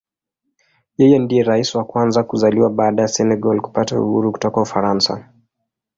Yeye ndiye Rais wa kwanza kuzaliwa baada ya Senegal kupata uhuru kutoka Ufaransa.